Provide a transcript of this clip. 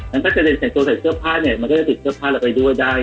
มันก็จะได้แต่งตัวใส่เสื้อผ้าเนี่ยมันก็จะติดเสื้อผ้าเราไปด้วยได้